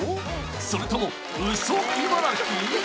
それともウソ茨城？